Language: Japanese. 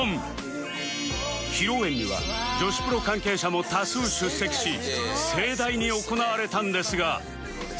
披露宴には女子プロ関係者も多数出席し盛大に行われたんですが